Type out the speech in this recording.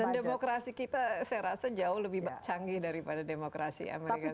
dan demokrasi kita saya rasa jauh lebih canggih daripada demokrasi amerika serikat